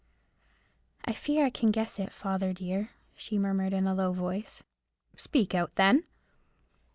"I fear I can guess it, father dear," she murmured in a low voice. "Speak out, then."